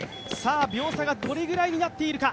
秒差がどれくらいになっているか。